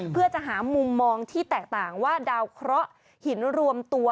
เพื่อจะหามุมมองที่แตกต่างว่าดาวเคราะห์หินรวมตัว